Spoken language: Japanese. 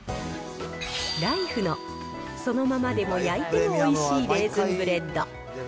ライフの、そのままでも焼いてもおいしいレーズンブレッド。